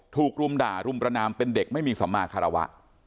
ถูกรุมด่ารุมประนามเป็นเด็กไม่มีสำมารถฮาราวะ